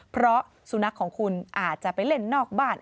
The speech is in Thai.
เพราะสุนัขของคุณอาจจะไปเล่นนอกบ้าน